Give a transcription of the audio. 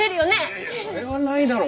いやいやそれはないだろ。